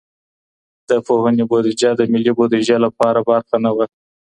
د پوهنې بودیجه د ملي بودیجې لویه برخه نه وه.